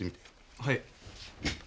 はい。